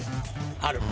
ある。